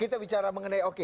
kita bicara mengenai oke